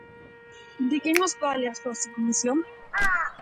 ¿De que nos vale a súa submisión?